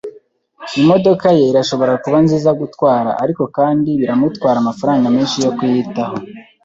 Imodoka ye irashobora kuba nziza gutwara, ariko kandi biramutwara amafaranga menshi yo kuyitaho.